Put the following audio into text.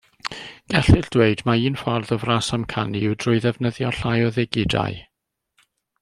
Gellir deud mai un ffordd o frasamcanu yw drwy ddefnyddio llai o ddigidau.